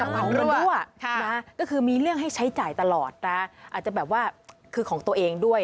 มันรั่วก็คือมีเรื่องให้ใช้จ่ายตลอดนะอาจจะแบบว่าคือของตัวเองด้วย